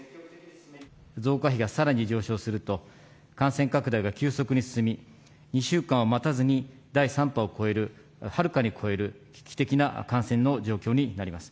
増加比がさらに上昇すると、感染拡大が急速に進み、２週間を待たずに第３波を超える、はるかに超える危機的な感染の状況になります。